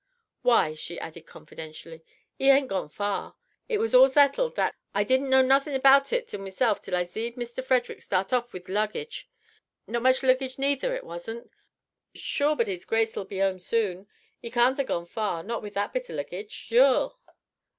Why!" she added confidentially, "'e ain't gone far. It was all zettled that zuddint I didn't know nothing about it myzelf till I zeed Mr. Frederick start off wi' th' liggage. Not much liggage neither it wasn't. Sure but 'Is Grace'll be 'ome zoon. 'E can't 'ave gone far. Not wi' that bit o' liggage. Zure."